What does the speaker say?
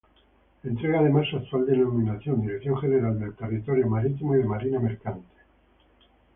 Entrega además su actual denominación: Dirección General del Territorio Marítimo y de Marina Mercante.